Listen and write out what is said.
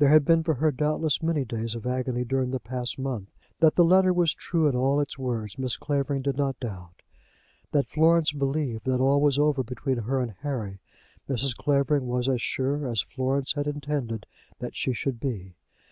There had been for her, doubtless, many days of agony during the past month. That the letter was true in all its words Mrs. Clavering did not doubt. That Florence believed that all was over between her and Harry, Mrs. Clavering was as sure as Florence had intended that she should be.